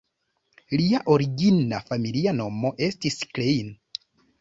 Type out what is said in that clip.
Lia origina familia nomo estis Klein.